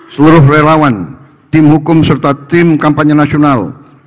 seluruh relawan tim hukum serta tim kampanye nasional